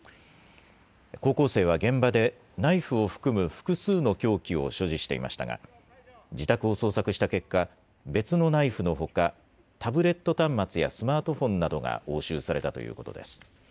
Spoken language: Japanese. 高校生は現場で、ナイフを含む複数の凶器を所持していましたが、自宅を捜索した結果、別のナイフのほか、タブレット端末やスマートフォンなどが押収されたということです。